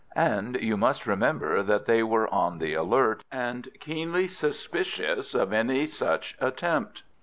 And you must remember that they were on the alert, and keenly suspicious of any such attempt.